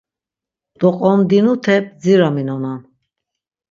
Doqondinute bdziraminonan.